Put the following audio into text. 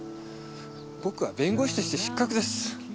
僕は弁護士として失格です。